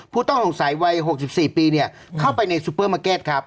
ผู้ต้องสงสัยวัยหกสิบสี่ปีเนี้ยเข้าไปในซูเปอร์มาร์เก็ตครับ